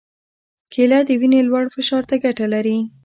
کېله د وینې لوړ فشار ته ګټه لري.